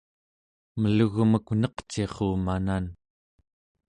melugmek neqcirru manan!